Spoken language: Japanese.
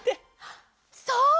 そう！